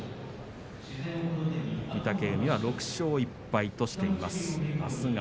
御嶽海は６勝１敗としています。